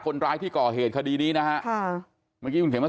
คนร้ายที่ก่อเหตุคดีนี้นะฮะค่ะเมื่อกี้คุณเขียนมา